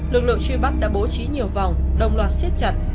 lực lượng truy bắt đã bố trí nhiều vòng đồng loạt siết chặt